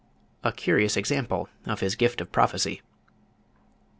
A curious example of his gift of prophecy!